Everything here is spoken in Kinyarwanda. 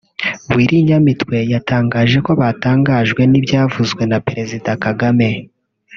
Willy Nyamitwe yatangaje ko batangajwe n’ibyavuzwe na Perezida Kagame